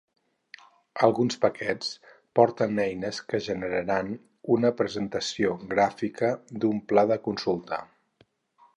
Alguns paquets porten eines que generaran una representació gràfica d'un pla de consulta.